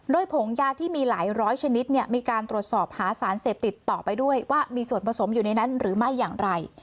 โดยผงยาที่มีหลายร้อยชนิดเนี่ยมีการตรวจสอบหาสารเสพติดต่อไปด้วยว่ามีส่วนผสมอยู่ในนั้นหรือไม่อย่างไร